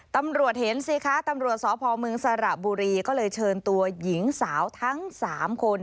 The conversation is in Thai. ตำรวจเห็นสิคะตำรวจสพเมืองสระบุรีก็เลยเชิญตัวหญิงสาวทั้ง๓คน